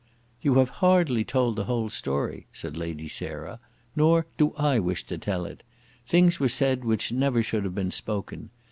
"You have hardly told the whole story," said Lady Sarah. "Nor do I wish to tell it. Things were said which never should have been spoken.